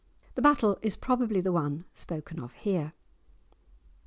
This battle is probably the one spoken of here.